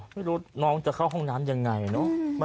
ไม่รู้น้องจะเข้าห้องน้ำยังไงเนอะ